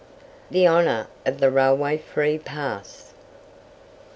THE HONOUR OF THE RAILWAY FREE PASS.